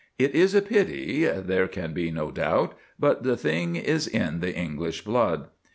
It is a pity, there can be no doubt; but the thing is in the English blood.